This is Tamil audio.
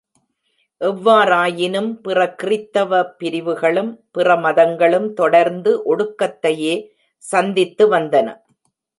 எவ்வாறாயினும், பிற கிறித்தவ பிரிவுகளும், பிற மதங்களும் தொடர்ந்து ஒடுக்கத்தையே சந்தித்து வந்தன.